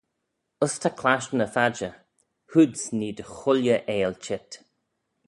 Uss ta clashtyn y phadjer: hoods nee dy chooilley eill cheet.